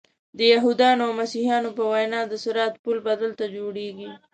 د یهودانو او مسیحیانو په وینا د صراط پل به دلته جوړیږي.